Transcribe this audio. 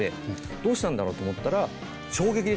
どうしたんだろう？と思ったら。